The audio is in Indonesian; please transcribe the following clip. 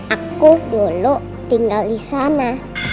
aku dulu tinggal di sana